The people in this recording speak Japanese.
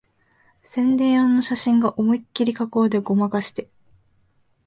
宣伝用の写真が思いっきり合成でごまかしてる